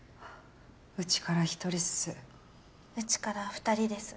うちから１人っすうちから２人です